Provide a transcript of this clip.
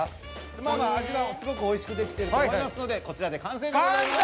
まあまあ味はすごくおいしく出来てると思いますのでこちらで完成でございます。